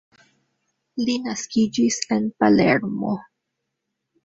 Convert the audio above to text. Li naskiĝis en Palermo.